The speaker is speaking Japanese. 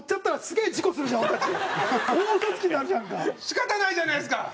仕方ないじゃないですか！